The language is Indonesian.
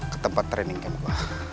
ke tempat training kamu